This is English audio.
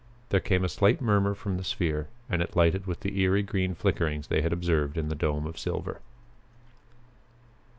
There came a slight murmur from the sphere, and it lighted with the eery green flickerings they had observed in the dome of silver.